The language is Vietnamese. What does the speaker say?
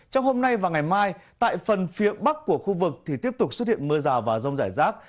trong hôm nay và ngày mai tại phần phía bắc của khu vực thì tiếp tục xuất hiện mưa rào và rông rải rác